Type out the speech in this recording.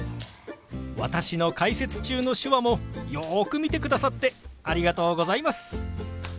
私の解説中の手話もよく見てくださってありがとうございます！